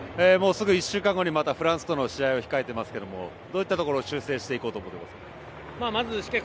すぐ１週間後にフランスとの試合を控えていますけれどもどういったところを修正していこうと思いますか？